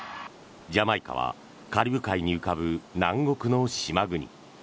ジャマイカはカリブ海に浮かぶ南国の島国。